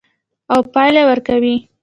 او پایله ورکوي.